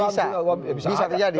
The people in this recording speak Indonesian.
bisa bisa terjadi ya